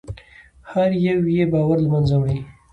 هر یو یې باور له منځه وړي.